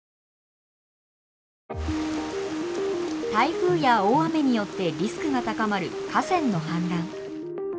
台風や大雨によってリスクが高まる河川の氾濫。